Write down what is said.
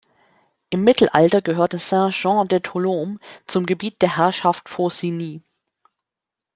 Im Mittelalter gehörte Saint-Jean-de-Tholome zum Gebiet der Herrschaft Faucigny.